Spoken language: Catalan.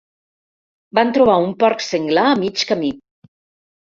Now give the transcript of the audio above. Van trobar un porc senglar a mig camí.